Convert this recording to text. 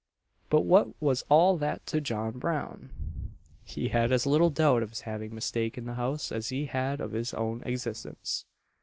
But what was all that to John Brown? he had as little doubt of his having mistaken the house as he had of his own existence.